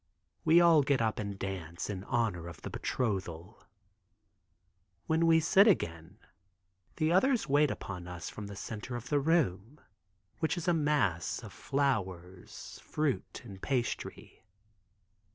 We all get up and dance in honor of the betrothal. When we sit again the others wait upon us from the center of the room, which is a mass of flowers, fruit and pastry.